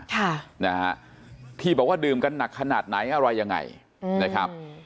ค่ะนะฮะที่บอกว่าดื่มกันหนักขนาดไหนอะไรยังไงอืมนะครับ